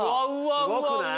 すごくない？